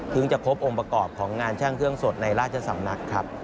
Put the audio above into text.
จะพบองค์ประกอบของงานช่างเครื่องสดในราชสำนักครับ